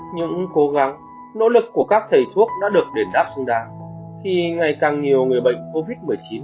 những cố gắng nỗ lực của các thầy thuốc đã được đền đáp xứng đáng khi ngày càng nhiều người bệnh covid một mươi chín được khỏi bệnh